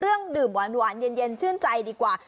เรื่องดื่มหวานเย็นชื่นใจดีกว่า